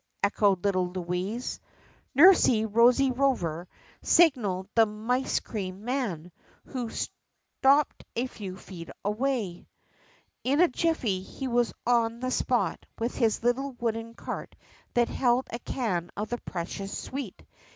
echoed little Louise. Nursie Rosie Rover signaled the mice cream man, who stopped a few feet away. In a jiffy he was on the spot with his little wooden cart that held a can of the precious sweet.